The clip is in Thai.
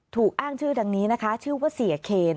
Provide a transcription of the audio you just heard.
ถูกอ้างชื่อดังนี้นะคะชื่อว่าเสียเคน